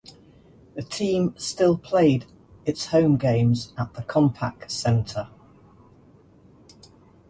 The team still played its home games at the Compaq Center.